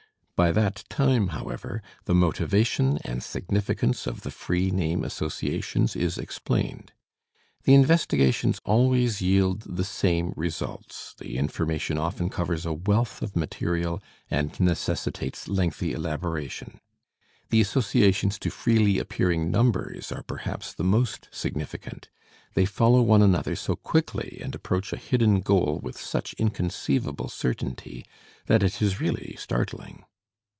By that time, however, the motivation and significance of the free name associations is explained. The investigations always yield the same results, the information often covers a wealth of material and necessitates lengthy elaboration. The associations to freely appearing numbers are perhaps the most significant. They follow one another so quickly and approach a hidden goal with such inconceivable certainty, that it is really startling.